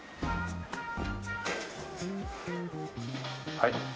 はい。